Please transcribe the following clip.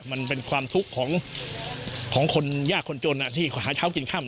มันเป็นความทุกข์ของของคนยากคนโจรน่ะที่หาเช้ากินข้ามน่ะ